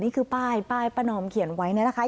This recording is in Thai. นี่คือป้ายป้ายป้านอมเขียนไว้เนี่ยนะคะ